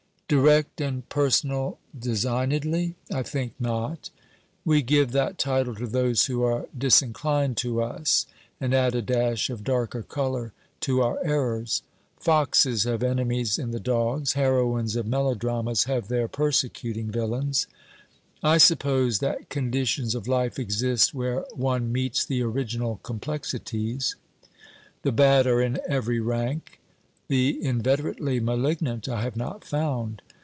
'Direct and personal designedly? I think not. We give that title to those who are disinclined to us and add a dash of darker colour to our errors. Foxes have enemies in the dogs; heroines of melodramas have their persecuting villains. I suppose that conditions of life exist where one meets the original complexities. The bad are in every rank. The inveterately malignant I have not found.